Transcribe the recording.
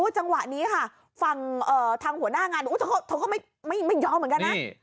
จังหวะนี้ค่ะฝั่งทางหัวหน้างานเธอก็ไม่ยอมเหมือนกันนะ